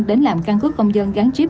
đến làm căn cứ công dân gắn chip